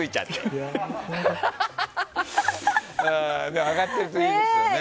でも、上がってるといいですよね。